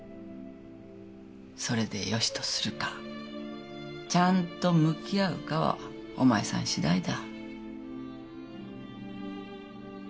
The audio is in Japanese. それでよしとするかちゃんと向き合うかはお前さんしだいだ。